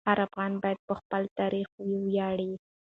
هر افغان باید په خپل تاریخ وویاړي.